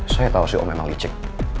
saya tahu si om memang licik